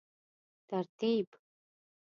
ترتیب